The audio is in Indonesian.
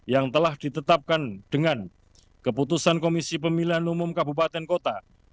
yang telah ditetapkan dengan keputusan komisi pemilihan umum provinsi tahun dua ribu dua puluh empat